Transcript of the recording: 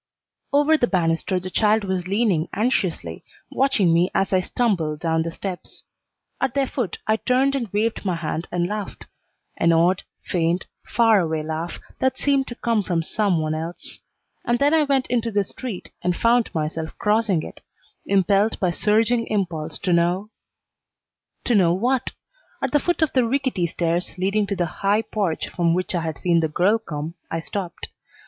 Over the banister the child was leaning anxiously, watching me as I stumbled down the steps. At their foot I turned and waved my hand and laughed, an odd, faint, far away laugh that seemed to come from some one else; and then I went into the street and found myself crossing it, impelled by surging impulse to know To know what? At the foot of the rickety stairs leading to the high porch from which I had seen the girl come I stopped.